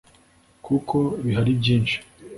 kuko bihari byinshi